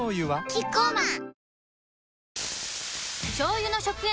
キッコーマン